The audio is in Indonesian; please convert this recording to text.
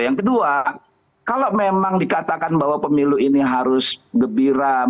yang kedua kalau memang dikatakan bahwa pemilu ini harus gembira